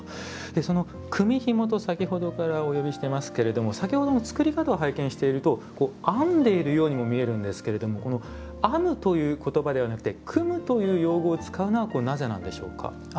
「組みひも」と先ほどからお呼びしてますけれども先ほども作り方を拝見していると編んでいるようにも見えるんですけれども「編む」という言葉ではなくて「組む」という用語を使うのはこれなぜなんでしょうか？